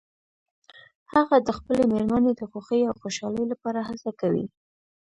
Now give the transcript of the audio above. هغه د خپلې مېرمنې د خوښې او خوشحالۍ لپاره هڅه کوي